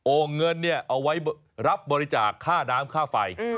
เงินเนี่ยเอาไว้รับบริจาคค่าน้ำค่าไฟ